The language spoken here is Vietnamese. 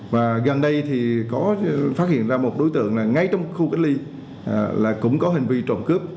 và gần đây thì có phát hiện ra một đối tượng ngay trong khu cách ly là cũng có hình vị trộm cướp